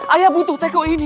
ayah butuh teko ini